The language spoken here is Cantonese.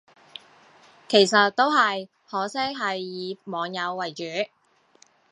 其實都係，可惜係以網友為主